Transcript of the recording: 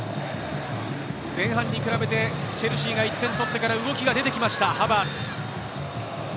前半に比べてチェルシーが１点取ってから、動きが出てきました、ハバーツ。